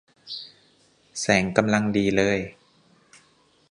แสงกำลังดีเลย